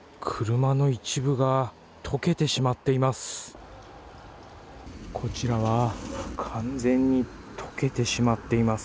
車の一部が溶けてしまっています。